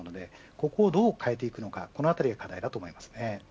ここをどう変えていくのかこのあたりが課題です。